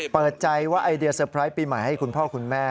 เปิดใจว่าไอเดียเซอร์ไพรส์ปีใหม่ให้คุณพ่อคุณแม่